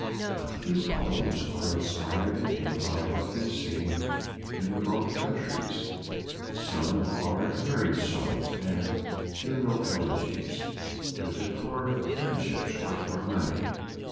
A few poems are inspired in him by what he has seen in remote countries; some are marriage songs and funeral elegies, written for friendship or for money.